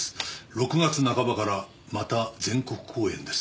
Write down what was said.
「６月半ばからまた全国公演です」